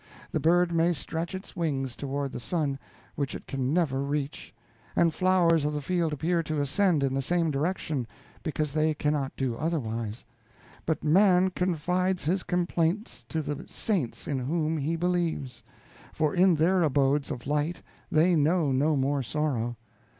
The bird may stretch its wings toward the sun, which it can never reach; and flowers of the field appear to ascend in the same direction, because they cannot do otherwise; but man confides his complaints to the saints in whom he believes; for in their abodes of light they know no more sorrow.